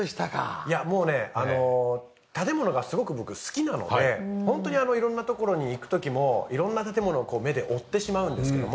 もうね建物がすごく僕好きなのでホントに色んな所に行く時も色んな建物を目で追ってしまうんですけども。